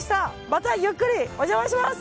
またゆっくりお邪魔します！